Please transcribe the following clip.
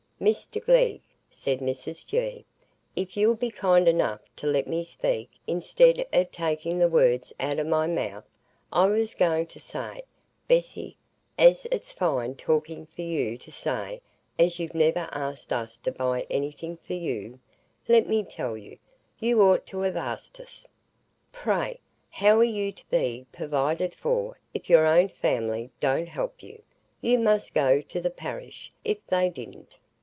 "Mr Glegg," said Mrs G., "if you'll be kind enough to let me speak, i'stead o' taking the words out o' my mouth,—I was going to say, Bessy, as it's fine talking for you to say as you've never asked us to buy anything for you; let me tell you, you ought to have asked us. Pray, how are you to be purvided for, if your own family don't help you? You must go to the parish, if they didn't.